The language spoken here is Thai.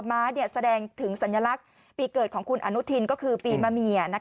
ม้าแสดงถึงสัญลักษณ์ปีเกิดของคุณอนุทินก็คือปีมะเมีย